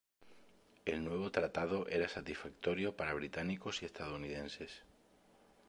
El nuevo tratado era satisfactorio para británicos y estadounidenses.